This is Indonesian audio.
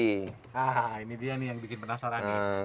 ini dia nih yang bikin penasaran